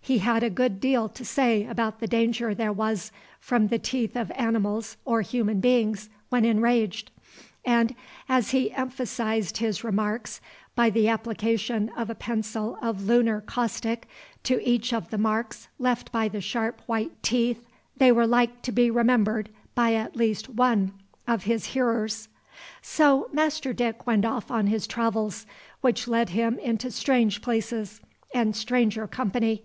He had a good deal to say about the danger there was from the teeth of animals or human beings when enraged; and as he emphasized his remarks by the application of a pencil of lunar caustic to each of the marks left by the sharp white teeth, they were like to be remembered by at least one of his hearers. So Master Dick went off on his travels, which led him into strange places and stranger company.